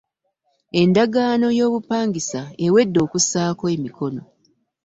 Endagaano y'obupangisa ewedde okussaako emikono.